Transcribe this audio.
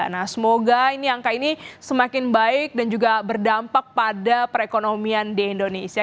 nah semoga ini angka ini semakin baik dan juga berdampak pada perekonomian di indonesia